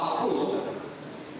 terus ya stop